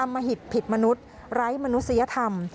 มหิตผิดมนุษย์ไร้มนุษยธรรม